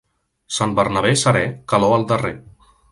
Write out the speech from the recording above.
Sant Bernabé serè, calor al darrer.